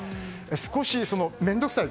少し面倒くさい